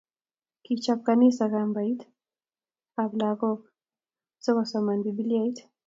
Kichob kanisa kambit ab lokok so kosoman bibiliait